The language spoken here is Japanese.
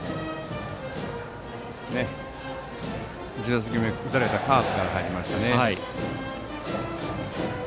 １打席目打たれたカーブから入りましたね。